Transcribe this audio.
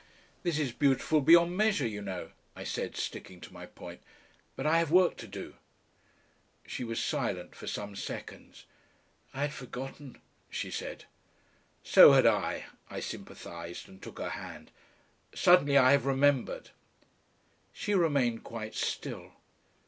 "This is beautiful beyond measure, you know," I said, sticking to my point, "but I have work to do." She was silent for some seconds. "I had forgotten," she said. "So had I," I sympathised, and took her hand. "Suddenly I have remembered." She remained quite still.